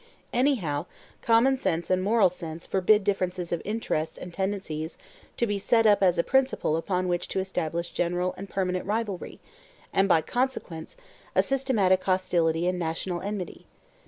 Anyhow common sense and moral sense forbid differences of interests and tendencies to be set up as a principle upon which to establish general and permanent rivalry, and, by consequence, a systematic hostility and national enmity.